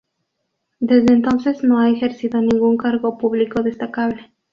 Desde entonces no ha ejercido ningún cargo público destacable